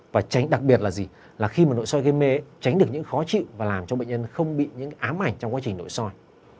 và đặc biệt là khi nội soi gây mê tránh được những khó chịu và làm cho bệnh nhân không bị ám ảnh trong quá trình nội soi